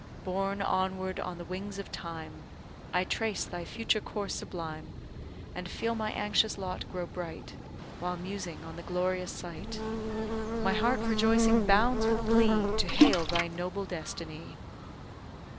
Borne onward on the wings of Time, I trace thy future course sublime; And feel my anxious lot grow bright, While musing on the glorious sight; My heart rejoicing bounds with glee To hail thy noble destiny!